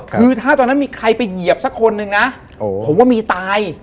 คือถ้าตอนนั้นมีใครไปเหยียบสักคนนึงนะผมว่ามีตาย